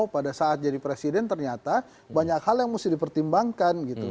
pada saat jadi presiden ternyata banyak hal yang mesti dipertimbangkan gitu